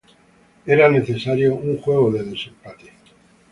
Era necesario un juego de desempate.